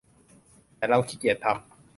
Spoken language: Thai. แต่เราขี้เกียจทำ